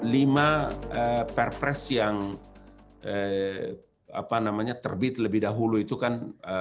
lima perpres yang terbit lebih dahulu itu kan